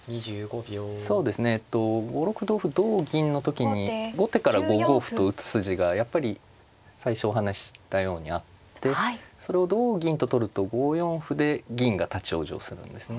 そうですねえっと５六歩同歩同銀の時に後手から５五歩と打つ筋がやっぱり最初お話ししたようにあってそれを同銀と取ると５四歩で銀が立往生するんですね。